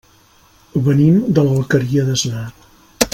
Venim de l'Alqueria d'Asnar.